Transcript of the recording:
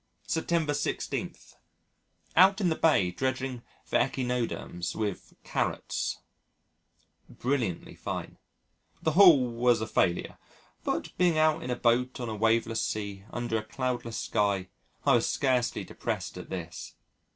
September 16. Out in the Bay dredging for Echinoderms with "Carrots." Brilliantly fine. The haul was a failure, but, being out in a boat on a waveless sea under a cloudless sky, I was scarcely depressed at this!